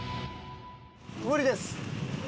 無理です。